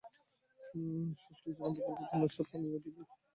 ষষ্ঠীচরণ ফকিরকে পুনশ্চ পলায়নোদ্যত দেখিয়া শোকে অধীর হইয়া পড়িল।